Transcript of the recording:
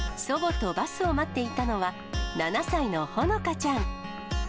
祖母とバスを待っていたのは、７歳のほのかちゃん。